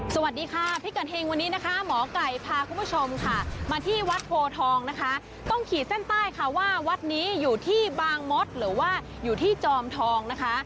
สวัสดีค่ะพิกัดเฮงวันนี้นะคะหมอไก่พาคุณผู้ชมค่ะมาที่วัดโพทองนะคะต้องขีดเส้นใต้ค่ะว่าวัดนี้อยู่ที่บางมดหรือว่าอยู่ที่จอมทองนะคะ